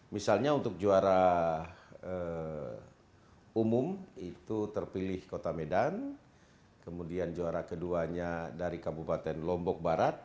misalnya untuk juara umum itu terpilih kota medan kemudian juara keduanya dari kabupaten lombok barat